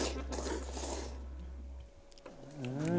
うん。